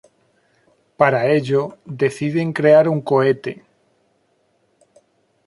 Para ello, deciden crear un cohete.